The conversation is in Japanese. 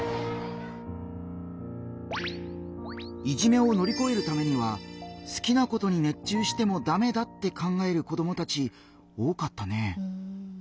いじめを乗り越えるためには好きなことに熱中してもダメだって考える子どもたち多かったね。